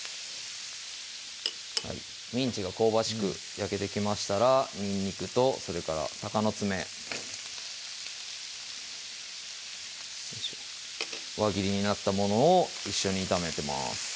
ミンチが香ばしく焼けてきましたらにんにくとそれからたかのつめ輪切りになったものを一緒に炒めてます